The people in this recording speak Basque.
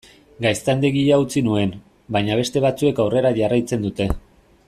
Gaztandegia utzi nuen, baina beste batzuek aurrera jarraitzen dute.